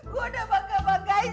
gue udah bangga banggain